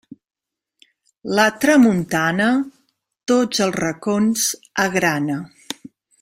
La tramuntana, tots els racons agrana.